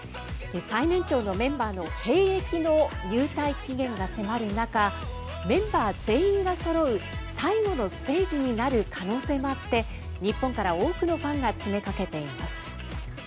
最年長のメンバーの兵役の入隊期限が迫る中メンバー全員がそろう最後のステージになる可能性もあって日本から多くのファンが詰めかけています。